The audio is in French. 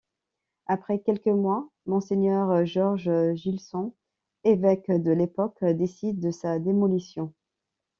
Après quelques mois, monseigneur Georges Gilson, évêque de l’époque, décide de sa démolition.